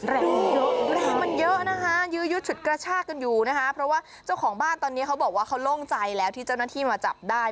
แรงเยอะแรงมันเยอะนะคะยื้อยุดฉุดกระชากกันอยู่นะคะเพราะว่าเจ้าของบ้านตอนนี้เขาบอกว่าเขาโล่งใจแล้วที่เจ้าหน้าที่มาจับได้